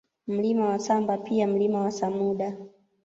Mlima wa Samba pia Mlima wa Samuda